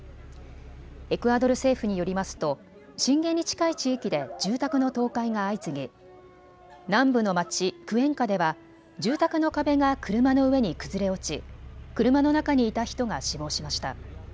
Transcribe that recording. エクアドル政府によりますと震源に近い地域で住宅の倒壊が相次ぎ南部の町、クエンカでは住宅の壁が車の上に崩れ落ち車の中にいた人が死亡しました。